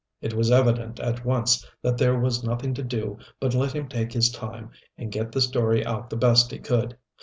It was evident at once that there was nothing to do but let him take his time and get the story out the best he could.